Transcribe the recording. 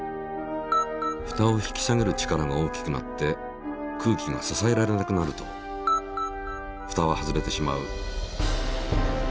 ふたを引き下げる力が大きくなり空気が支えられなくなるとふたは外れてしまう。